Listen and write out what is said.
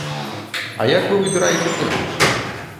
А як вы выбіраеце тэму?